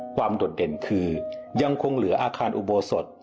โดดเด่นคือยังคงเหลืออาคารอุโบสถ